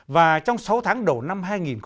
và trong sáu tháng đầu năm hai nghìn một mươi chín